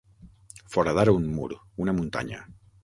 Foradar un mur, una muntanya.